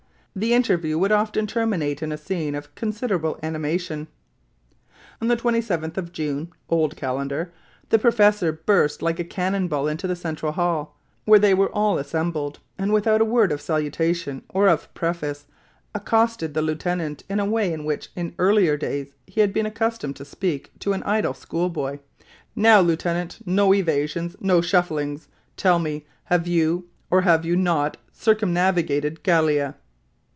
The interview would often terminate in a scene of considerable animation. On the 27th of June (old calendar) the professor burst like a cannon ball into the central hall, where they were all assembled, and without a word of salutation or of preface, accosted the lieutenant in the way in which in earlier days he had been accustomed to speak to an idle school boy, "Now, lieutenant! no evasions! no shufflings! Tell me, have you or have you not circumnavigated Gallia?"